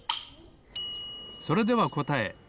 それではこたえ。